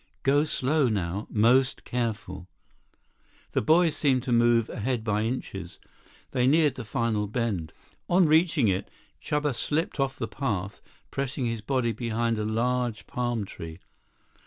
Go slow now. Most careful." The boys seemed to move ahead by inches. They neared the final bend. On reaching it, Chuba slipped off the path, pressing his body behind a large palm tree.